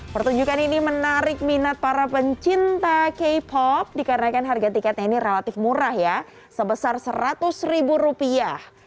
pertunjukan ini menarik minat para pencinta k pop dikarenakan harga tiketnya ini relatif murah ya sebesar seratus ribu rupiah